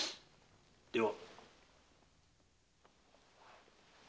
では。